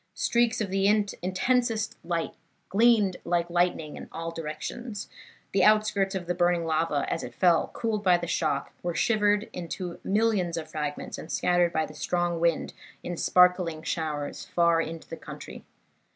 Streaks of the intensest light glanced like lightning in all directions; the outskirts of the burning lava as it fell, cooled by the shock, were shivered into millions of fragments, and scattered by the strong wind in sparkling showers far into the country.